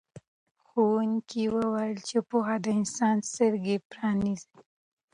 ښوونکي وویل چې پوهه د انسان سترګې پرانیزي.